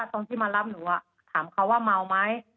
ตรงที่มารับหนูถามเขาว่าเมาไหม